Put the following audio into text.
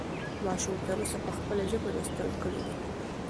ماشوم تر اوسه په خپله ژبه لوستل کړي دي.